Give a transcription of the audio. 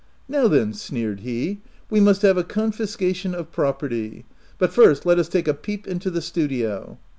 "Now then/' sneered he, " we must have a confiscation of property. But first, let us take a peep into the studio."